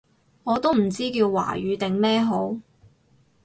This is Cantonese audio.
我都唔知叫華語定咩好